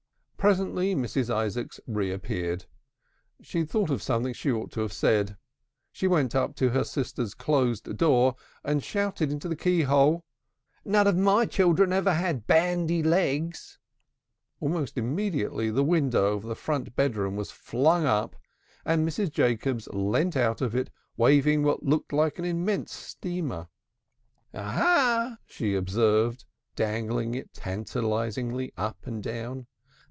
Presently Mrs. Isaacs reappeared. She had thought of something she ought to have said. She went up to her sister's closed door, and shouted into the key hole: "None of my children ever had bandy legs!" Almost immediately the window of the front bedroom was flung up, and Mrs. Jacobs leant out of it waving what looked like an immense streamer. "Aha," she observed, dangling it tantalizingly up and down.